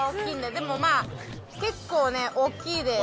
でもまあ結構ね大きいです。